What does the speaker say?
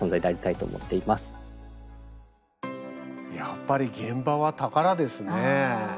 やっぱり現場は宝ですね。